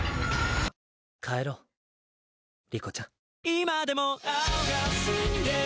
帰ろう理子ちゃん。